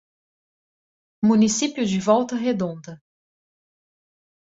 Município de Volta Redonda